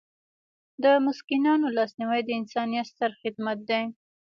د مسکینانو لاسنیوی د انسانیت ستر خدمت دی.